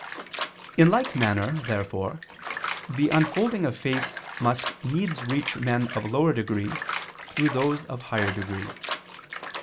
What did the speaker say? In like manner therefore the unfolding of faith must needs reach men of lower degree through those of higher degree.